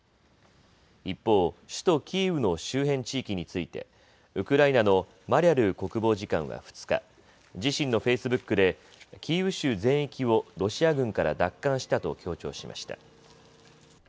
一方、首都キーウの周辺地域についてウクライナのマリャル国防次官は２日、自身のフェイスブックでキーウ州全域をロシア軍から奪還したと強調しました。